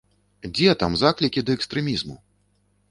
Дзе там заклікі да экстрэмізму?